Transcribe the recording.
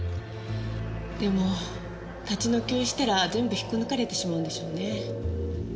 でも立ち退きをしたら全部引っこ抜かれてしまうんでしょうね。